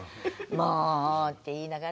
「もう！」って言いながら。